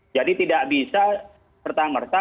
jadi tidak bisa